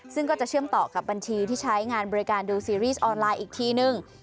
ซึ่งก็จะเชื่อมต่อกับบัญชีที่ใช้งานบริการดูซีรีส์ออนไลน์อีกทีนึง